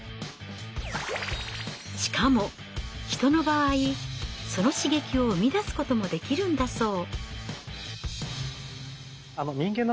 しかもヒトの場合その刺激を生み出すこともできるんだそう。